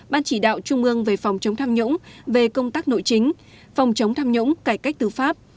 ban chỉ đạo trung ương về phòng chống tham nhũng về công tác nội chính phòng chống tham nhũng cải cách tư pháp